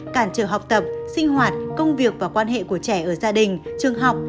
cản trở học tập sinh hoạt công việc và quan hệ của trẻ ở gia đình trường học